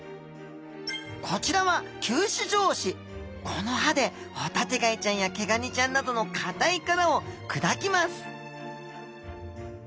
こちらはこの歯でホタテガイちゃんやケガニちゃんなどの硬い殻を砕きます